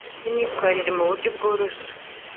n’imyitwarire mu buryo bworoshye